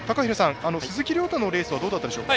鈴木涼太のレースはどうでしたか？